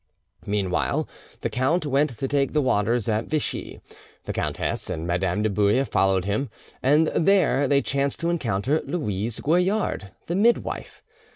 Meanwhile, the count went to take the waters at Vichy. The countess and Madame de Bouille followed him, and there they chanced to encounter Louise Goillard, the midwife.